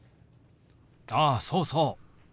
あそうそう。